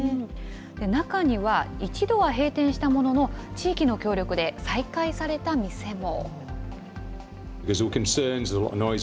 中には一度は閉店したものの、地域の協力で再開された店も。